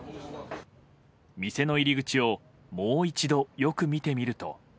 店の入り口をもう一度よく見てみると。